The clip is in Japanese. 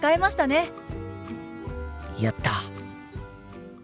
やった！